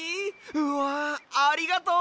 うわありがとう！